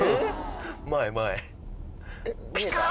前前。